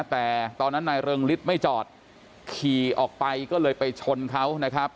แต่ตอนนั้นนายเริงฤทธิ์ไม่จอดขี่ออกไปก็เลยไปชนเขานะครับ